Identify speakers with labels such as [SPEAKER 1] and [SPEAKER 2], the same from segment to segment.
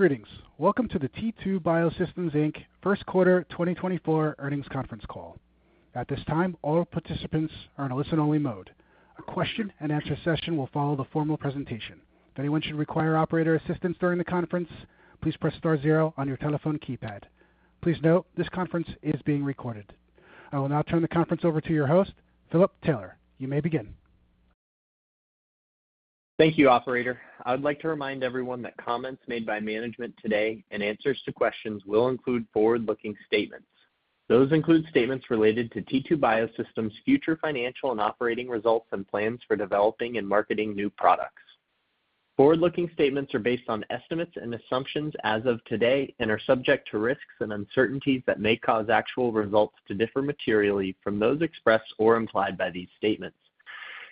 [SPEAKER 1] Greetings. Welcome to the T2 Biosystems, Inc. first quarter 2024 earnings conference call. At this time, all participants are in a listen-only mode. A question-and-answer session will follow the formal presentation. If anyone should require operator assistance during the conference, please press star zero on your telephone keypad. Please note, this conference is being recorded. I will now turn the conference over to your host, Philip Taylor. You may begin.
[SPEAKER 2] Thank you, operator. I would like to remind everyone that comments made by management today and answers to questions will include forward-looking statements. Those include statements related to T2 Biosystems' future financial and operating results and plans for developing and marketing new products. Forward-looking statements are based on estimates and assumptions as of today and are subject to risks and uncertainties that may cause actual results to differ materially from those expressed or implied by these statements,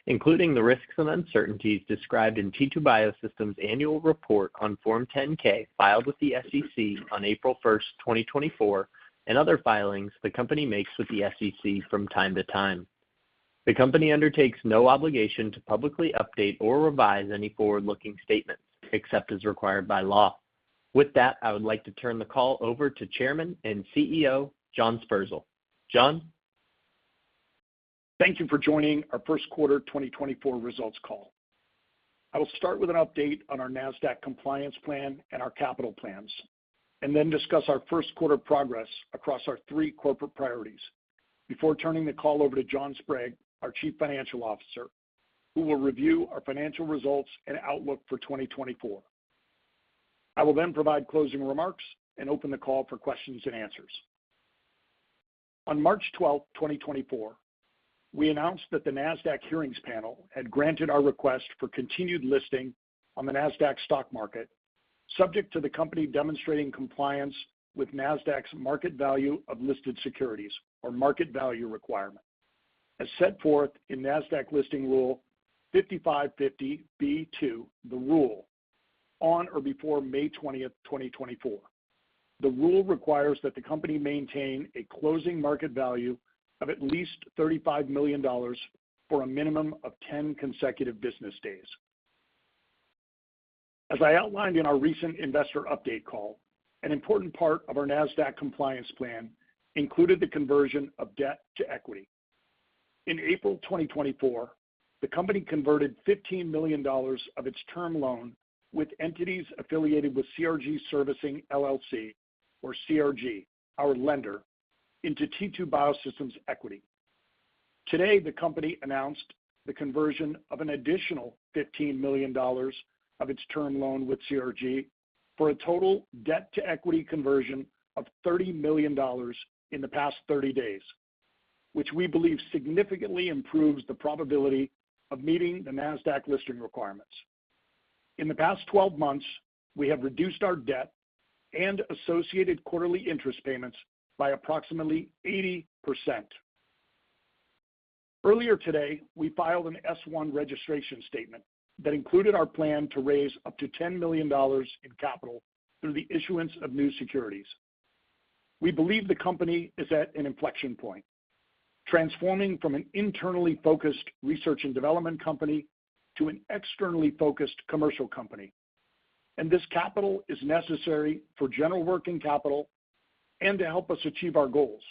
[SPEAKER 2] including the risks and uncertainties described in T2 Biosystems' annual report on Form 10-K, filed with the SEC on April 1, 2024, and other filings the company makes with the SEC from time to time. The company undertakes no obligation to publicly update or revise any forward-looking statements except as required by law. With that, I would like to turn the call over to Chairman and CEO, John Sperzel. John?
[SPEAKER 3] Thank you for joining our first quarter 2024 results call. I will start with an update on our Nasdaq compliance plan and our capital plans, and then discuss our first quarter progress across our three corporate priorities before turning the call over to John Sprague, our Chief Financial Officer, who will review our financial results and outlook for 2024. I will then provide closing remarks and open the call for questions and answers. On March 12, 2024, we announced that the Nasdaq Hearings Panel had granted our request for continued listing on the Nasdaq stock market, subject to the company demonstrating compliance with Nasdaq's market value of listed securities, or market value requirement, as set forth in Nasdaq Listing Rule 5550(b)(2), the rule, on or before 20 May, 2024. The rule requires that the company maintain a closing market value of at least $35 million for a minimum of 10 consecutive business days. As I outlined in our recent investor update call, an important part of our Nasdaq compliance plan included the conversion of debt to equity. In April 2024, the company converted $15 million of its term loan with entities affiliated with CRG Servicing LLC, or CRG, our lender, into T2 Biosystems equity. Today, the company announced the conversion of an additional $15 million of its term loan with CRG for a total debt-to-equity conversion of $30 million in the past 30 days, which we believe significantly improves the probability of meeting the Nasdaq listing requirements. In the past 12 months, we have reduced our debt and associated quarterly interest payments by approximately 80%. Earlier today, we filed an S-1 registration statement that included our plan to raise up to $10 million in capital through the issuance of new securities. We believe the company is at an inflection point, transforming from an internally focused research and development company to an externally focused commercial company, and this capital is necessary for general working capital and to help us achieve our goals,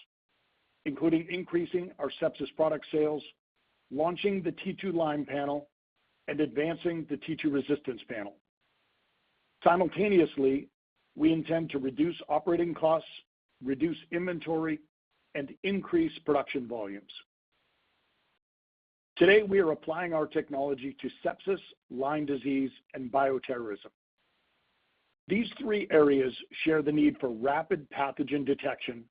[SPEAKER 3] including increasing our sepsis product sales, launching the T2Lyme Panel, and advancing the T2Resistance Panel. Simultaneously, we intend to reduce operating costs, reduce inventory, and increase production volumes. Today, we are applying our technology to sepsis, Lyme disease, and bioterrorism. These three areas share the need for rapid pathogen detection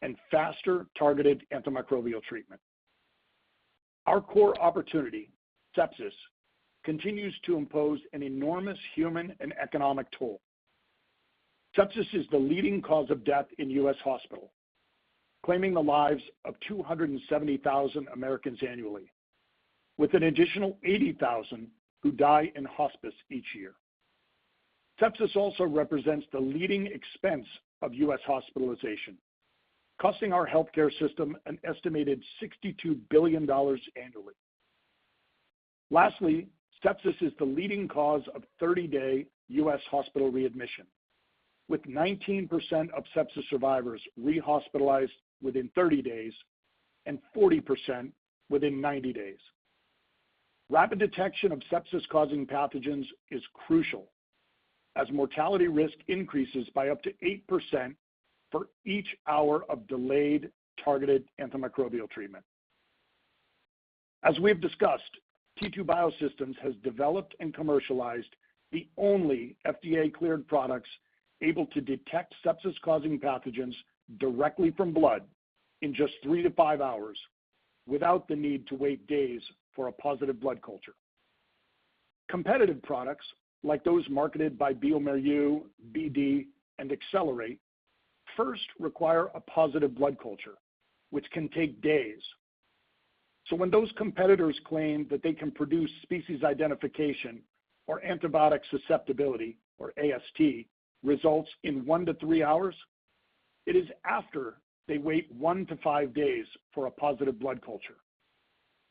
[SPEAKER 3] and faster targeted antimicrobial treatment. Our core opportunity, sepsis, continues to impose an enormous human and economic toll. Sepsis is the leading cause of death in U.S. hospitals, claiming the lives of 270,000 Americans annually, with an additional 80,000 who die in hospice each year. Sepsis also represents the leading expense of U.S. hospitalization, costing our healthcare system an estimated $62 billion annually. Lastly, sepsis is the leading cause of 30-day U.S. hospital readmission, with 19% of sepsis survivors rehospitalized within 30 days and 40% within 90 days. Rapid detection of sepsis-causing pathogens is crucial, as mortality risk increases by up to 8% for each hour of delayed targeted antimicrobial treatment. As we've discussed, T2 Biosystems has developed and commercialized the only FDA-cleared products able to detect sepsis-causing pathogens directly from blood in just 3-5 hours, without the need to wait days for a positive blood culture. Competitive products like those marketed by bioMérieux, BD, and Accelerate first require a positive blood culture, which can take days. So when those competitors claim that they can produce species identification or antibiotic susceptibility, or AST, results in 1-3 hours, it is after they wait 1-5 days for a positive blood culture.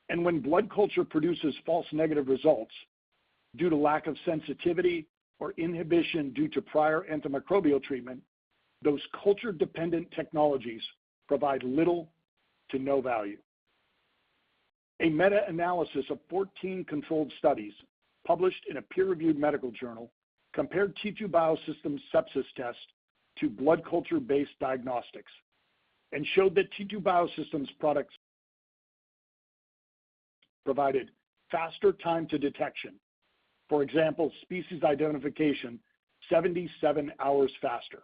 [SPEAKER 3] And when blood culture produces false negative results due to lack of sensitivity or inhibition due to prior antimicrobial treatment, those culture-dependent technologies provide little to no value. A meta-analysis of 14 controlled studies, published in a peer-reviewed medical journal, compared T2 Biosystems sepsis test to blood culture-based diagnostics and showed that T2 Biosystems products provided faster time to detection. For example, species identification, 77 hours faster.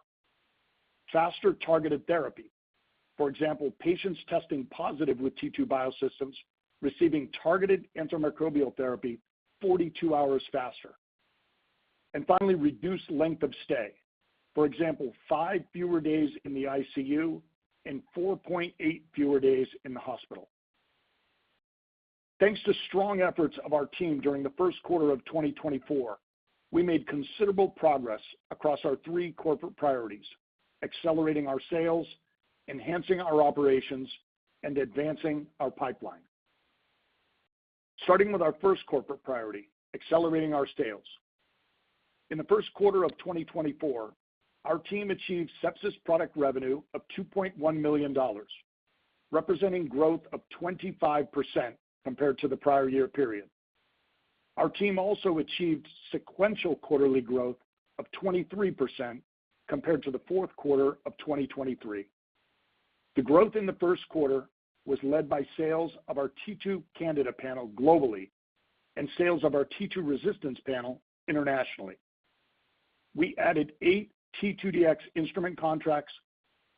[SPEAKER 3] Faster targeted therapy. For example, patients testing positive with T2 Biosystems receiving targeted antimicrobial therapy 42 hours faster. And finally, reduced length of stay. For example, 5 fewer days in the ICU and 4.8 fewer days in the hospital. Thanks to strong efforts of our team during the first quarter of 2024, we made considerable progress across our three corporate priorities: accelerating our sales, enhancing our operations, and advancing our pipeline. Starting with our first corporate priority, accelerating our sales. In the first quarter of 2024, our team achieved sepsis product revenue of $2.1 million, representing growth of 25% compared to the prior year period. Our team also achieved sequential quarterly growth of 23% compared to the fourth quarter of 2023. The growth in the first quarter was led by sales of our T2Candida Panel globally and sales of our T2Resistance Panel internationally. We added 8 T2Dx Instrument contracts,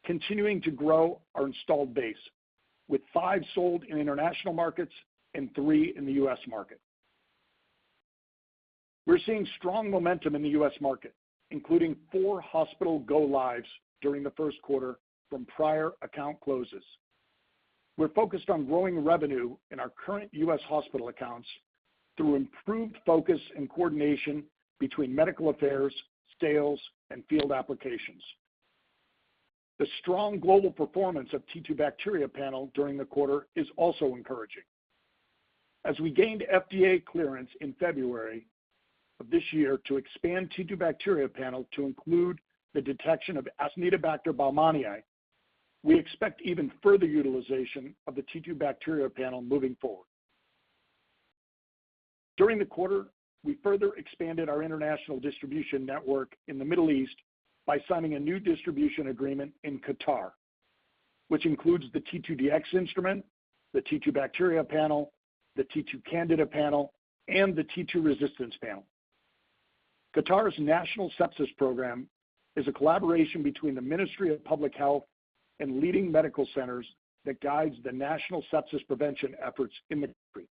[SPEAKER 3] continuing to grow our installed base, with 5 sold in international markets and 3 in the U.S. market. We're seeing strong momentum in the U.S. market, including 4 hospital go lives during the first quarter from prior account closes. We're focused on growing revenue in our current U.S. hospital accounts through improved focus and coordination between medical affairs, sales, and field applications. The strong global performance of T2Bacteria Panel during the quarter is also encouraging. As we gained FDA clearance in February of this year to expand T2Bacteria Panel to include the detection of Acinetobacter baumannii, we expect even further utilization of the T2Bacteria Panel moving forward. During the quarter, we further expanded our international distribution network in the Middle East by signing a new distribution agreement in Qatar, which includes the T2Dx Instrument, the T2Bacteria Panel, the T2Candida Panel, and the T2Resistance Panel. Qatar's National Sepsis Program is a collaboration between the Ministry of Public Health and leading medical centers that guides the national sepsis prevention efforts in the country.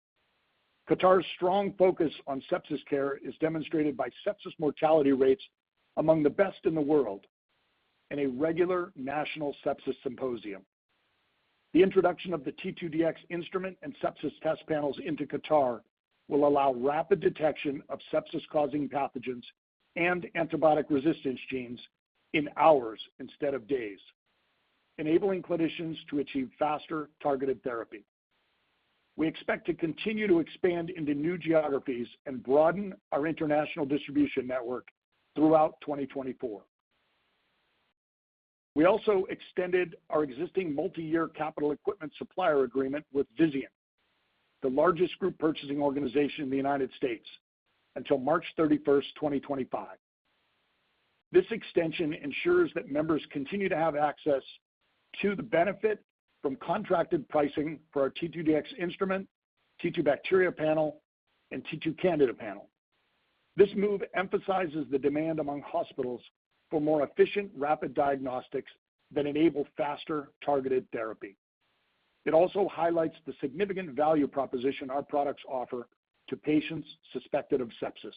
[SPEAKER 3] Qatar's strong focus on sepsis care is demonstrated by sepsis mortality rates among the best in the world and a regular national sepsis symposium. The introduction of the T2Dx Instrument and sepsis test panels into Qatar will allow rapid detection of sepsis-causing pathogens and antibiotic resistance genes in hours instead of days, enabling clinicians to achieve faster targeted therapy. We expect to continue to expand into new geographies and broaden our international distribution network throughout 2024. We also extended our existing multiyear capital equipment supplier agreement with Vizient, the largest group purchasing organization in the United States, until March 31st, 2025. This extension ensures that members continue to have access to the benefit from contracted pricing for our T2Dx Instrument, T2Bacteria Panel, and T2Candida Panel. This move emphasizes the demand among hospitals for more efficient, rapid diagnostics that enable faster targeted therapy. It also highlights the significant value proposition our products offer to patients suspected of sepsis.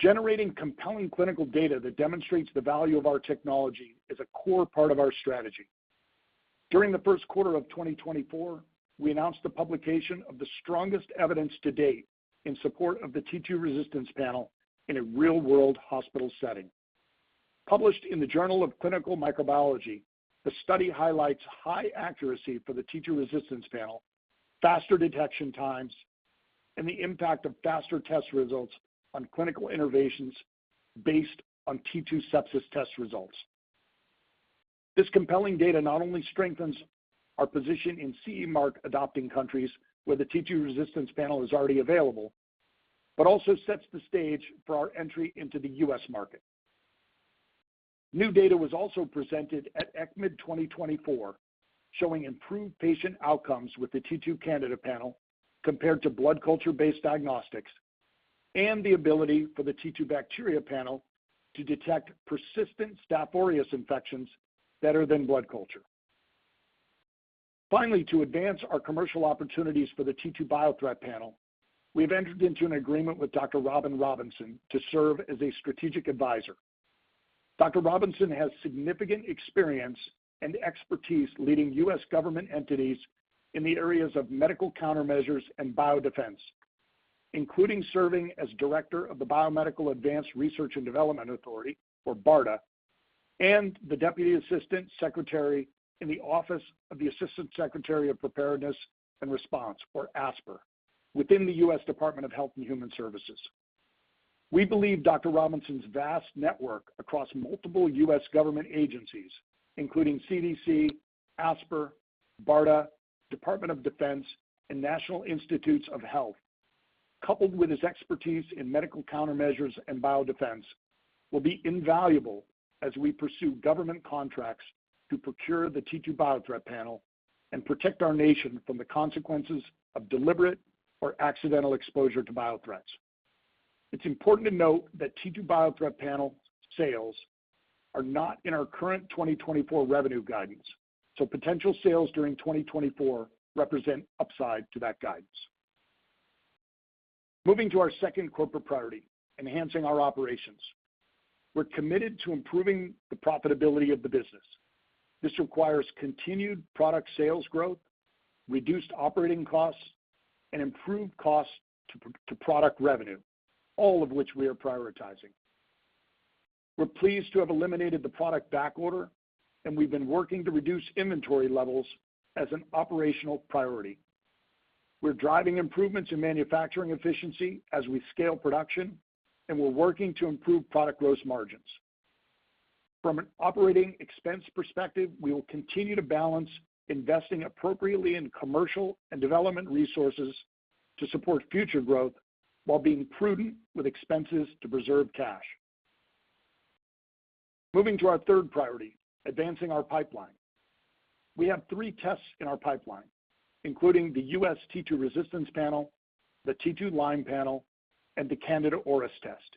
[SPEAKER 3] Generating compelling clinical data that demonstrates the value of our technology is a core part of our strategy. During the first quarter of 2024, we announced the publication of the strongest evidence to date in support of the T2Resistance Panel in a real-world hospital setting. Published in the Journal of Clinical Microbiology, the study highlights high accuracy for the T2Resistance Panel, faster detection times, and the impact of faster test results on clinical interventions based on T2 sepsis test results. This compelling data not only strengthens our position in CE mark adopting countries where the T2Resistance Panel is already available, but also sets the stage for our entry into the U.S. market. New data was also presented at ECCMID 2024, showing improved patient outcomes with the T2Candida Panel compared to blood culture-based diagnostics, and the ability for the T2Bacteria Panel to detect persistent Staph aureus infections better than blood culture. Finally, to advance our commercial opportunities for the T2Biothreat Panel, we've entered into an agreement with Dr. Robin Robinson to serve as a strategic advisor. Dr. Robinson has significant experience and expertise leading U.S. government entities in the areas of medical countermeasures and biodefense. Including serving as Director of the Biomedical Advanced Research and Development Authority, or BARDA, and the Deputy Assistant Secretary in the Office of the Assistant Secretary of Preparedness and Response, or ASPR, within the U.S. Department of Health and Human Services. We believe Dr. Robinson's vast network across multiple U.S. government agencies, including CDC, ASPR, BARDA, Department of Defense, and National Institutes of Health, coupled with his expertise in medical countermeasures and biodefense, will be invaluable as we pursue government contracts to procure the T2Biothreat Panel and protect our nation from the consequences of deliberate or accidental exposure to biothreats. It's important to note that T2Biothreat Panel sales are not in our current 2024 revenue guidance, so potential sales during 2024 represent upside to that guidance. Moving to our second corporate priority, enhancing our operations. We're committed to improving the profitability of the business. This requires continued product sales growth, reduced operating costs, and improved cost to product revenue, all of which we are prioritizing. We're pleased to have eliminated the product backorder, and we've been working to reduce inventory levels as an operational priority. We're driving improvements in manufacturing efficiency as we scale production, and we're working to improve product gross margins. From an operating expense perspective, we will continue to balance investing appropriately in commercial and development resources to support future growth while being prudent with expenses to preserve cash. Moving to our third priority, advancing our pipeline. We have three tests in our pipeline, including the U.S. T2Resistance Panel, the T2Lyme Panel, and the Candida auris test,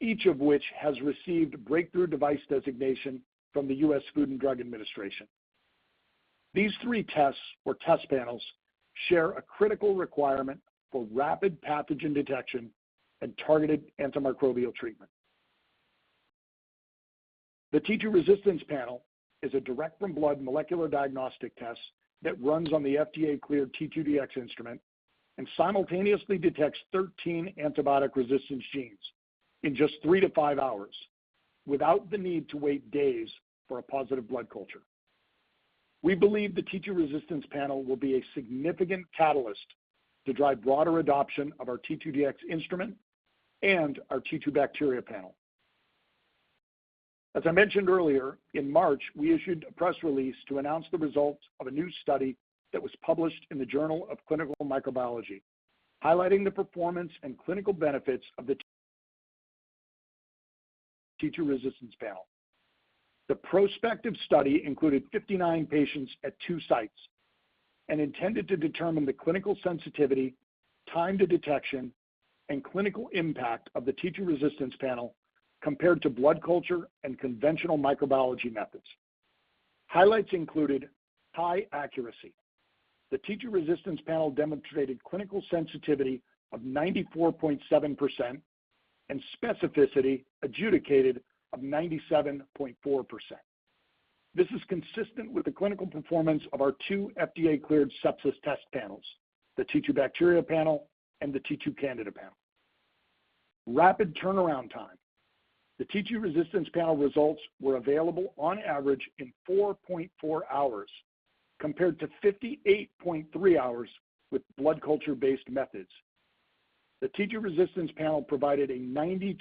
[SPEAKER 3] each of which has received breakthrough device designation from the U.S. Food and Drug Administration. These three tests or test panels share a critical requirement for rapid pathogen detection and targeted antimicrobial treatment. The T2Resistance Panel is a direct-from-blood molecular diagnostic test that runs on the FDA-cleared T2Dx Instrument and simultaneously detects 13 antibiotic resistance genes in just 3-5 hours, without the need to wait days for a positive blood culture. We believe the T2Resistance Panel will be a significant catalyst to drive broader adoption of our T2Dx Instrument and our T2Bacteria Panel. As I mentioned earlier, in March, we issued a press release to announce the results of a new study that was published in the Journal of Clinical Microbiology, highlighting the performance and clinical benefits of the T2Resistance Panel. The prospective study included 59 patients at two sites and intended to determine the clinical sensitivity, time to detection, and clinical impact of the T2Resistance Panel compared to blood culture and conventional microbiology methods. Highlights included high accuracy. The T2Resistance Panel demonstrated clinical sensitivity of 94.7% and specificity adjudicated of 97.4%. This is consistent with the clinical performance of our two FDA-cleared sepsis test panels, the T2Bacteria Panel and the T2Candida Panel. Rapid turnaround time. The T2Resistance Panel results were available on average in 4.4 hours, compared to 58.3 hours with blood culture-based methods. The T2Resistance Panel provided a 92%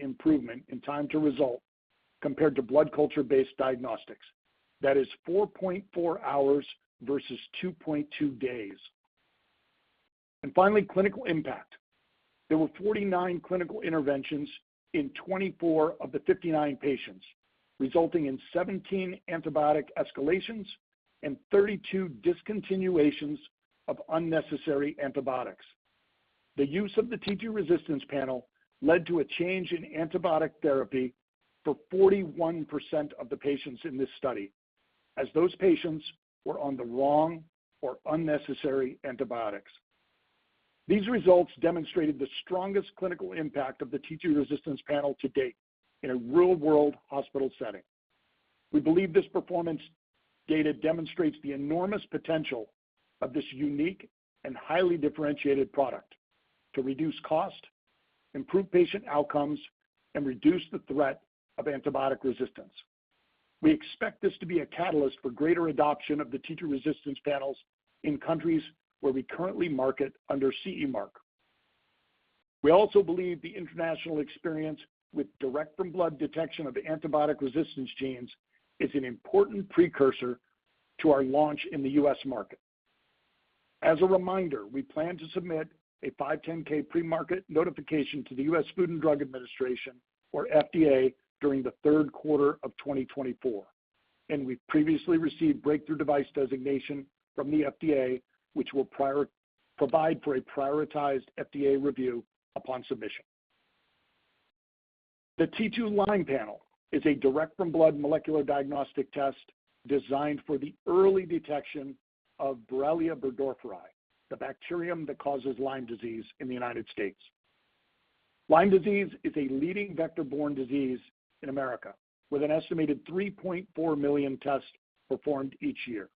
[SPEAKER 3] improvement in time to result compared to blood culture-based diagnostics. That is 4.4 hours versus 2.2 days. Finally, clinical impact. There were 49 clinical interventions in 24 of the 59 patients, resulting in 17 antibiotic escalations and 32 discontinuations of unnecessary antibiotics. The use of the T2Resistance Panel led to a change in antibiotic therapy for 41% of the patients in this study, as those patients were on the wrong or unnecessary antibiotics. These results demonstrated the strongest clinical impact of the T2Resistance Panel to date in a real-world hospital setting. We believe this performance data demonstrates the enormous potential of this unique and highly differentiated product to reduce cost, improve patient outcomes, and reduce the threat of antibiotic resistance. We expect this to be a catalyst for greater adoption of the T2Resistance Panels in countries where we currently market under CE mark. We also believe the international experience with direct from blood detection of antibiotic resistance genes is an important precursor to our launch in the U.S. market. As a reminder, we plan to submit a 510(k) premarket notification to the U.S. Food and Drug Administration, or FDA, during the third quarter of 2024, and we previously received breakthrough device designation from the FDA, which will provide for a prioritized FDA review upon submission. The T2Lyme Panel is a direct from blood molecular diagnostic test designed for the early detection of Borrelia burgdorferi, the bacterium that causes Lyme disease in the United States. Lyme disease is a leading vector-borne disease in America, with an estimated 3.4 million tests performed each year.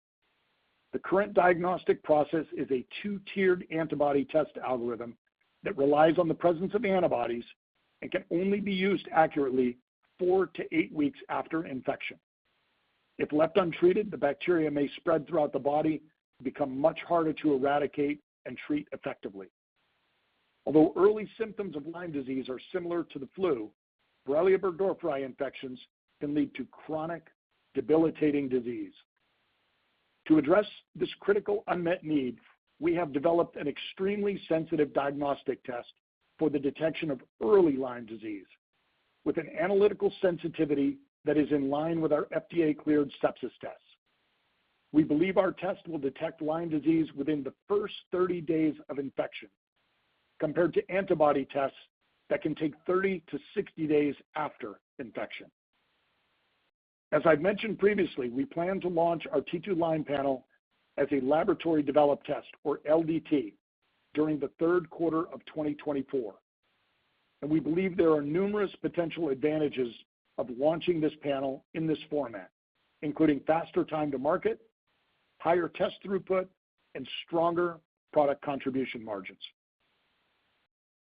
[SPEAKER 3] The current diagnostic process is a two-tiered antibody test algorithm that relies on the presence of antibodies and can only be used accurately 4-8 weeks after infection. If left untreated, the bacteria may spread throughout the body and become much harder to eradicate and treat effectively. Although early symptoms of Lyme disease are similar to the flu, Borrelia burgdorferi infections can lead to chronic, debilitating disease. To address this critical unmet need, we have developed an extremely sensitive diagnostic test for the detection of early Lyme disease, with an analytical sensitivity that is in line with our FDA-cleared sepsis test. We believe our test will detect Lyme disease within the first 30 days of infection, compared to antibody tests that can take 30-60 days after infection. As I've mentioned previously, we plan to launch our T2Lyme Panel as a laboratory-developed test, or LDT, during the third quarter of 2024. We believe there are numerous potential advantages of launching this panel in this format, including faster time to market, higher test throughput, and stronger product contribution margins.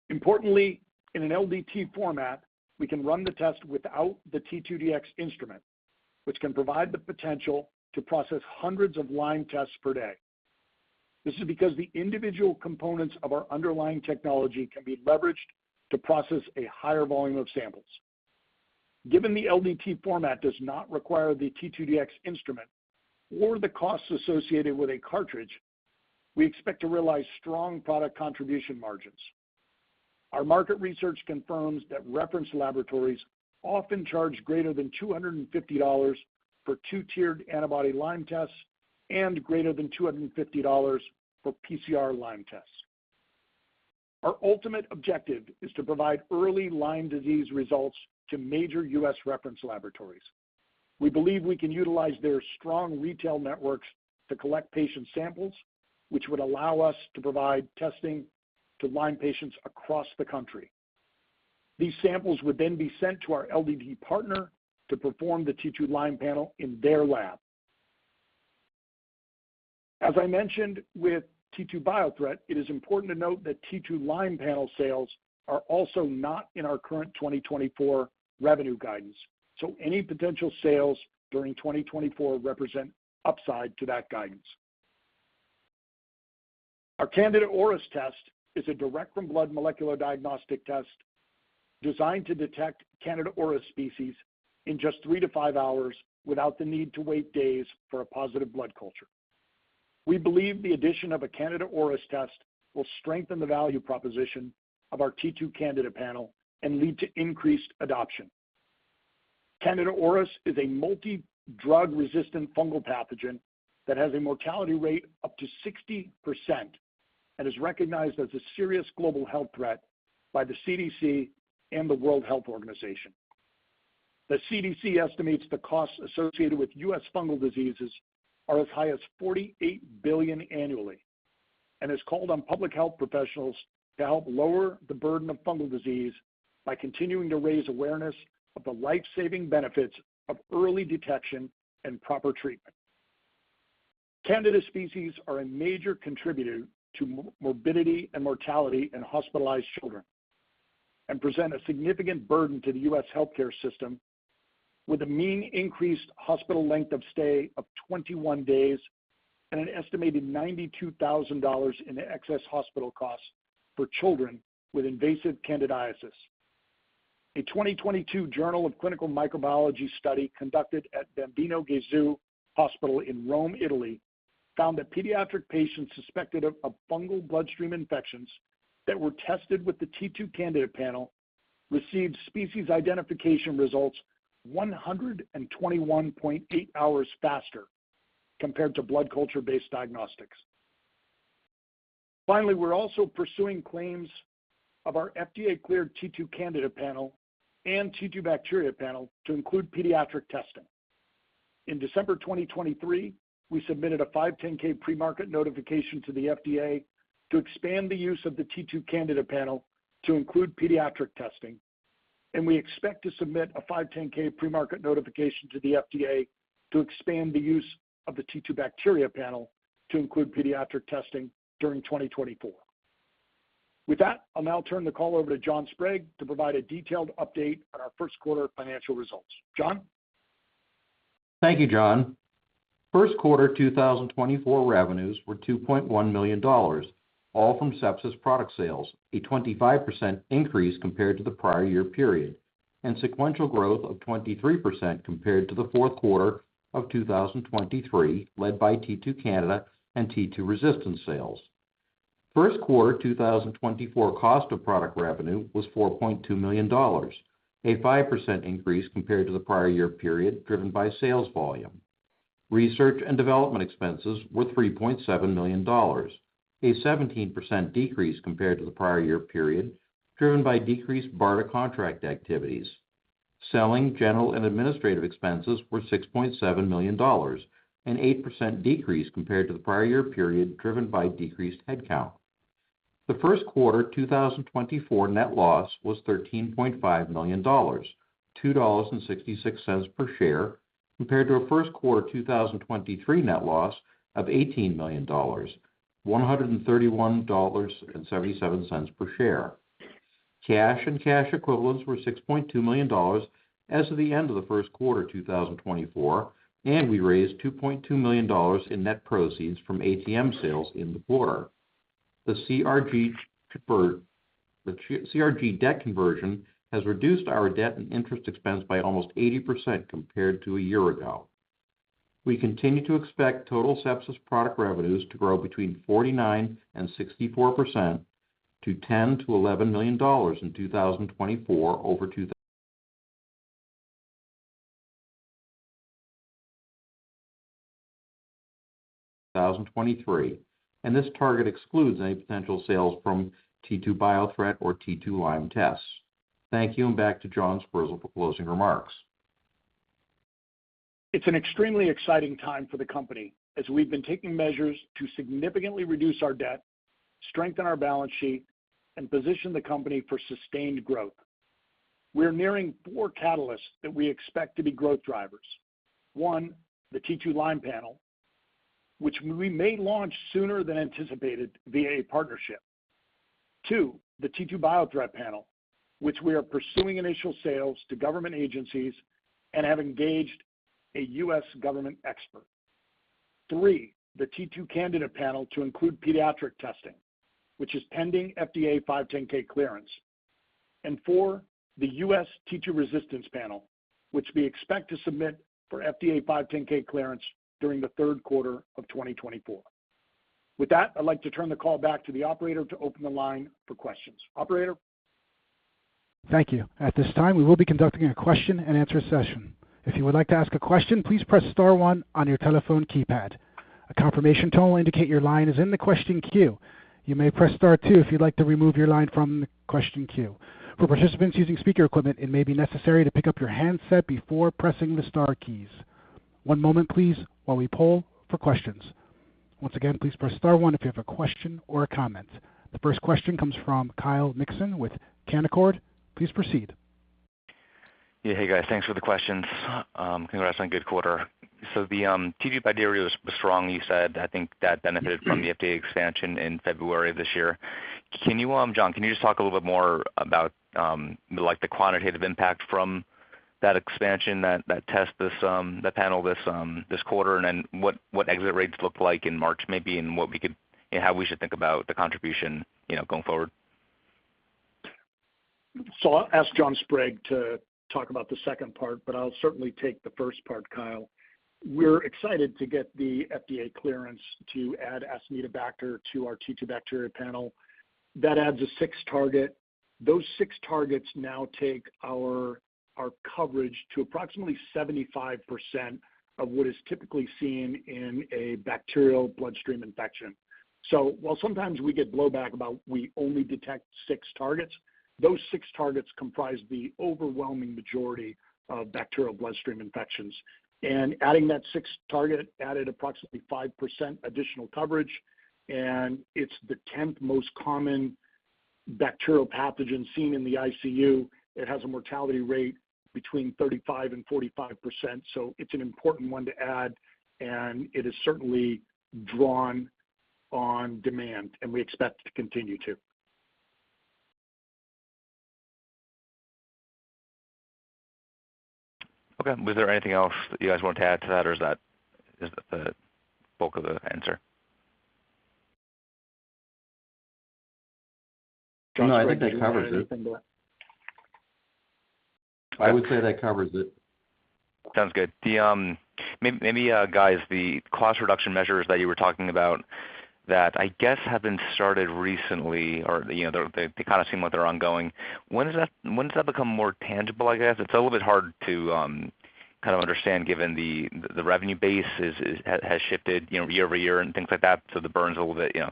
[SPEAKER 3] Importantly, in an LDT format, we can run the test without the T2Dx Instrument, which can provide the potential to process hundreds of Lyme tests per day. This is because the individual components of our underlying technology can be leveraged to process a higher volume of samples. Given the LDT format does not require the T2Dx Instrument or the costs associated with a cartridge, we expect to realize strong product contribution margins. Our market research confirms that reference laboratories often charge greater than $250 for two-tiered antibody Lyme tests and greater than $250 for PCR Lyme tests. Our ultimate objective is to provide early Lyme disease results to major US reference laboratories. We believe we can utilize their strong retail networks to collect patient samples, which would allow us to provide testing to Lyme patients across the country. These samples would then be sent to our LDT partner to perform the T2Lyme Panel in their lab. As I mentioned, with T2Biothreat, it is important to note that T2Lyme Panel sales are also not in our current 2024 revenue guidance, so any potential sales during 2024 represent upside to that guidance. Our Candida auris test is a direct-from-blood molecular diagnostic test designed to detect Candida auris species in just 3-5 hours without the need to wait days for a positive blood culture. We believe the addition of a Candida auris test will strengthen the value proposition of our T2Candida Panel and lead to increased adoption. Candida auris is a multi-drug-resistant fungal pathogen that has a mortality rate up to 60% and is recognized as a serious global health threat by the CDC and the World Health Organization. The CDC estimates the costs associated with U.S. fungal diseases are as high as $48 billion annually and has called on public health professionals to help lower the burden of fungal disease by continuing to raise awareness of the life-saving benefits of early detection and proper treatment. Candida species are a major contributor to morbidity and mortality in hospitalized children and present a significant burden to the US healthcare system, with a mean increased hospital length of stay of 21 days and an estimated $92,000 in excess hospital costs for children with invasive candidiasis. A 2022 Journal of Clinical Microbiology study conducted at Bambino Gesù Hospital in Rome, Italy, found that pediatric patients suspected of fungal bloodstream infections that were tested with the T2Candida panel received species identification results 121.8 hours faster compared to blood culture-based diagnostics. Finally, we're also pursuing claims of our FDA-cleared T2Candida panel and T2Bacteria panel to include pediatric testing. In December 2023, we submitted a 510(k) premarket notification to the FDA to expand the use of the T2Candida Panel to include pediatric testing, and we expect to submit a 510(k) premarket notification to the FDA to expand the use of the T2Bacteria Panel to include pediatric testing during 2024. With that, I'll now turn the call over to John Sprague to provide a detailed update on our first quarter financial results. John?
[SPEAKER 4] Thank you, John. First quarter 2024 revenues were $2.1 million, all from sepsis product sales, a 25% increase compared to the prior year period, and sequential growth of 23% compared to the fourth quarter of 2023, led by T2Candida and T2Resistance sales. First quarter 2024 cost of product revenue was $4.2 million, a 5% increase compared to the prior year period, driven by sales volume. Research and development expenses were $3.7 million, a 17% decrease compared to the prior year period, driven by decreased BARDA contract activities. Selling general and administrative expenses were $6.7 million, an 8% decrease compared to the prior year period, driven by decreased headcount. The first quarter 2024 net loss was $13.5 million, $2.66 per share, compared to a first quarter 2023 net loss of $18 million, $131.77 per share. Cash and cash equivalents were $6.2 million as of the end of the first quarter 2024, and we raised $2.2 million in net proceeds from ATM sales in the quarter. The CRG debt conversion has reduced our debt and interest expense by almost 80% compared to a year ago. We continue to expect total sepsis product revenues to grow between 49% and 64% to $10 million-$11 million in 2024 over 2023, and this target excludes any potential sales from T2Biothreat or T2Lyme tests. Thank you, and back to John Sperzel for closing remarks.
[SPEAKER 3] It's an extremely exciting time for the company as we've been taking measures to significantly reduce our debt, strengthen our balance sheet, and position the company for sustained growth. We are nearing four catalysts that we expect to be growth drivers. One, the T2Lyme Panel, which we may launch sooner than anticipated via a partnership. Two, the T2Biothreat Panel, which we are pursuing initial sales to government agencies and have engaged a U.S. government expert. Three, the T2Candida Panel to include pediatric testing, which is pending FDA 510(k) clearance. And four, the U.S. T2Resistance Panel, which we expect to submit for FDA 510(k) clearance during the third quarter of 2024. With that, I'd like to turn the call back to the operator to open the line for questions. Operator?
[SPEAKER 1] Thank you. At this time, we will be conducting a question and answer session. If you would like to ask a question, please press star one on your telephone keypad. A confirmation tone will indicate your line is in the question queue. You may press star two if you'd like to remove your line from the question queue. For participants using speaker equipment, it may be necessary to pick up your handset before pressing the star keys. One moment please while we poll for questions. Once again, please press star one if you have a question or a comment. The first question comes from Kyle Mikson with Canaccord Genuity. Please proceed.
[SPEAKER 5] Yeah. Hey, guys. Thanks for the questions. Congrats on good quarter. So the T2Bacteria was strong, you said. I think that benefited from the FDA expansion in February of this year. Can you, John, can you just talk a little bit more about, like the quantitative impact from that expansion, that test, that panel, this quarter? And then what exit rates look like in March maybe, and how we should think about the contribution, you know, going forward?
[SPEAKER 3] So I'll ask John Sprague to talk about the second part, but I'll certainly take the first part, Kyle. We're excited to get the FDA clearance to add Acinetobacter to our T2Bacteria Panel. That adds a sixth target. Those six targets now take our, our coverage to approximately 75% of what is typically seen in a bacterial bloodstream infection. So while sometimes we get blowback about we only detect six targets, those six targets comprise the overwhelming majority of bacterial bloodstream infections, and adding that sixth target added approximately 5% additional coverage, and it's the tenth most common bacterial pathogen seen in the ICU. It has a mortality rate between 35%-45%, so it's an important one to add, and it is certainly in demand, and we expect it to continue to.
[SPEAKER 5] Okay. Was there anything else that you guys want to add to that, or is that the bulk of the answer?
[SPEAKER 4] No, I think that covers it. I would say that covers it.
[SPEAKER 5] Sounds good. Maybe, guys, the cost reduction measures that you were talking about that I guess have been started recently or, you know, they kind of seem like they're ongoing. When does that become more tangible, I guess? It's a little bit hard to kind of understand, given the revenue base has shifted, you know, year over year and things like that, so the burn's a little bit, you know,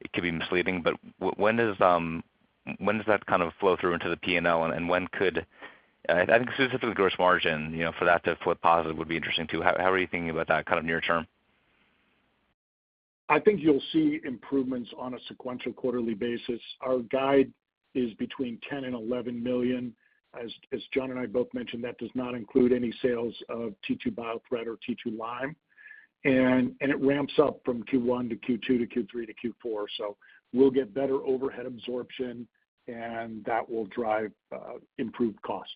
[SPEAKER 5] it could be misleading. But when does that kind of flow through into the P&L, and when could, I think specifically the gross margin, you know, for that to flip positive would be interesting too. How are you thinking about that kind of near term?
[SPEAKER 3] I think you'll see improvements on a sequential quarterly basis. Our guide is between $10 million and $11 million. As John and I both mentioned, that does not include any sales of T2Biothreat or T2Lyme, and it ramps up from Q1 to Q2 to Q3 to Q4. So we'll get better overhead absorption, and that will drive improved costs,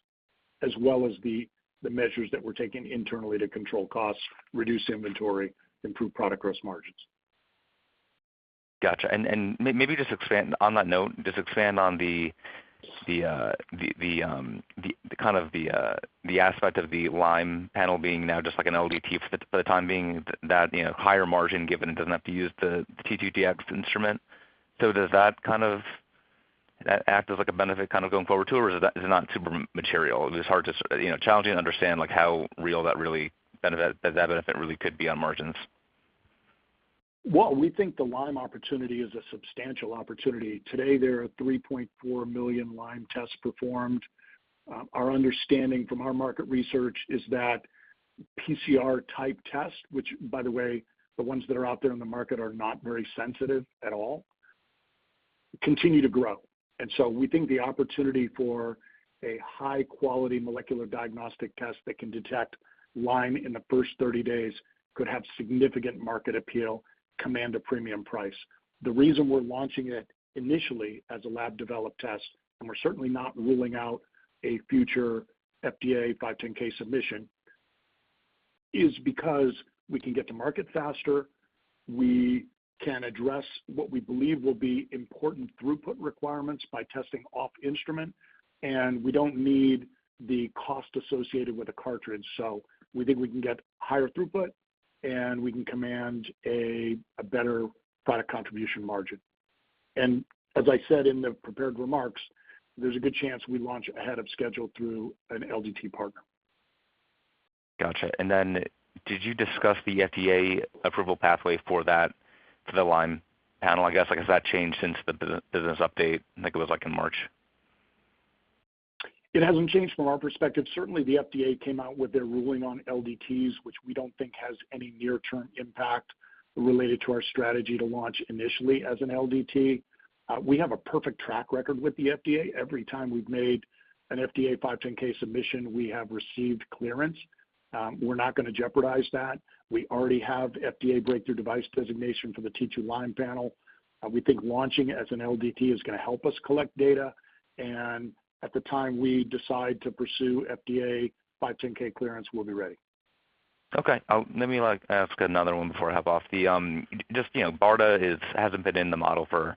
[SPEAKER 3] as well as the measures that we're taking internally to control costs, reduce inventory, improve product gross margins.
[SPEAKER 5] Gotcha. And maybe just expand on that note, just expand on the kind of aspect of the Lyme panel being now just like an LDT for the time being, that you know higher margin given it doesn't have to use the T2Dx instrument. So does that kind of act as like a benefit kind of going forward too, or is that is it not super material? It's hard to you know challenging to understand like how real that benefit really could be on margins.
[SPEAKER 3] Well, we think the Lyme opportunity is a substantial opportunity. Today, there are 3.4 million Lyme tests performed. Our understanding from our market research is that PCR-type test, which by the way, the ones that are out there in the market are not very sensitive at all, continue to grow. And so we think the opportunity for a high-quality molecular diagnostic test that can detect Lyme in the first 30 days could have significant market appeal, command a premium price. The reason we're launching it initially as a lab-developed test, and we're certainly not ruling out a future FDA 510(k) submission, is because we can get to market faster, we can address what we believe will be important throughput requirements by testing off instrument, and we don't need the cost associated with a cartridge. So we think we can get higher throughput, and we can command a better product contribution margin. As I said in the prepared remarks, there's a good chance we launch ahead of schedule through an LDT partner.
[SPEAKER 5] Gotcha. And then did you discuss the FDA approval pathway for that, for the Lyme panel, I guess? Like, has that changed since the business update? I think it was like in March.
[SPEAKER 3] It hasn't changed from our perspective. Certainly, the FDA came out with their ruling on LDTs, which we don't think has any near-term impact related to our strategy to launch initially as an LDT. We have a perfect track record with the FDA. Every time we've made an FDA 510(k) submission, we have received clearance. We're not gonna jeopardize that. We already have FDA Breakthrough Device Designation for the T2Lyme Panel. We think launching as an LDT is gonna help us collect data, and at the time we decide to pursue FDA 510(k) clearance, we'll be ready.
[SPEAKER 5] Okay, let me like ask another one before I hop off. The, just, you know, BARDA is, hasn't been in the model for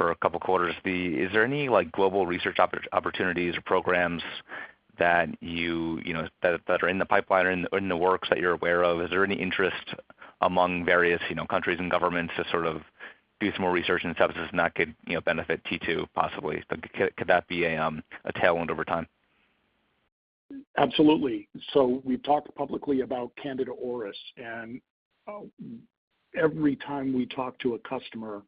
[SPEAKER 5] a couple of quarters. Is there any, like, global research opportunities or programs that you, you know, that are in the pipeline or in the works that you're aware of? Is there any interest among various, you know, countries and governments to sort of do some more research into substances that could, you know, benefit T2 possibly? Could that be a tailwind over time?
[SPEAKER 3] Absolutely. So we've talked publicly about Candida auris, and every time we talk to a customer,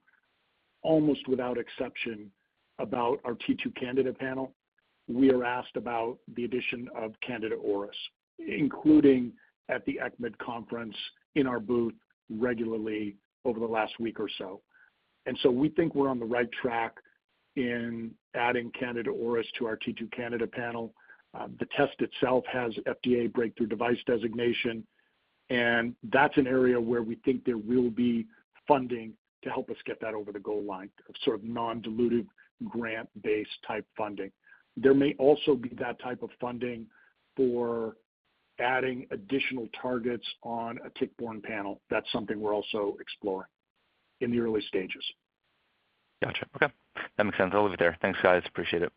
[SPEAKER 3] almost without exception, about our T2Candida Panel, we are asked about the addition of Candida auris, including at the ECCMID conference in our booth regularly over the last week or so. And so we think we're on the right track in adding Candida auris to our T2Candida Panel. The test itself has FDA breakthrough device designation, and that's an area where we think there will be funding to help us get that over the goal line, a sort of non-dilutive, grant-based type funding. There may also be that type of funding for adding additional targets on a tick-borne panel. That's something we're also exploring in the early stages.
[SPEAKER 5] Gotcha. Okay, that makes sense. I'll leave it there. Thanks, guys. Appreciate it.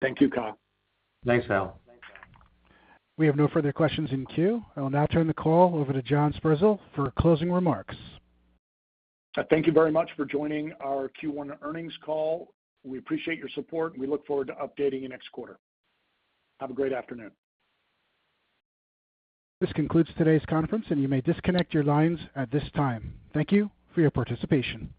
[SPEAKER 3] Thank you, Kyle.
[SPEAKER 1] We have no further questions in queue. I will now turn the call over to John Sperzel for closing remarks.
[SPEAKER 3] Thank you very much for joining our Q1 earnings call. We appreciate your support, and we look forward to updating you next quarter. Have a great afternoon.
[SPEAKER 1] This concludes today's conference, and you may disconnect your lines at this time. Thank you for your participation.